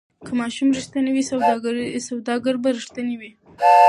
که ماشوم ریښتینی وي سوداګر به ریښتینی وي.